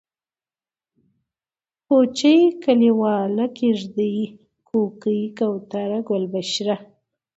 کوچۍ ، کليواله ، کيږدۍ ، کوکۍ ، کوتره ، گلبشره